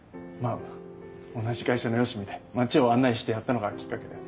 あ同じ会社のよしみで街を案内してやったのがきっかけで。